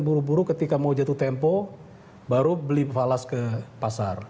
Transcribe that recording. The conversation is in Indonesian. buru buru ketika mau jatuh tempo baru beli falas ke pasar